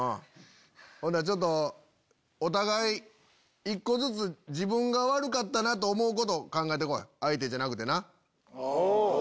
ほんだらお互い一個ずつ自分が悪かったなと思うこと考えてこい相手じゃなくてな。